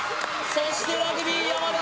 そしてラグビー・山田